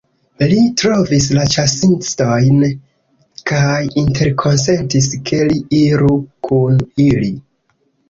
Li trovis la ĉasistojn kaj interkonsentis ke li iru kun ili.